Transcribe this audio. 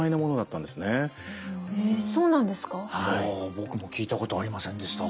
僕も聞いたことありませんでした。